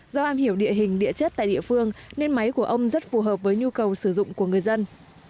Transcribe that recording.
do am hiểu địa hình địa chất tại địa phương nên máy của ông rất phù hợp với nhu cầu sử dụng của người dân